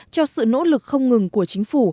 cho sự nỗ lực không ngừng của chính phủ